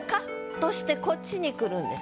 そしてこっちにくるんです。